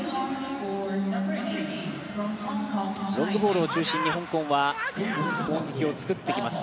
ロングボールを中心に香港は攻撃を作ってきます。